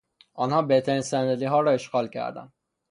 آنها بهترین صندلیها را اشغال کردند.